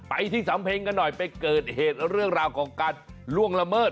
ไปที่สำเพ็งกันหน่อยไปเกิดเหตุเรื่องราวของการล่วงละเมิด